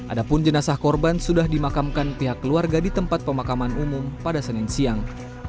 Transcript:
adapun jenazah korban sudah dimakamkan pihak keluarga di tempat pemakaman umum pada senin siang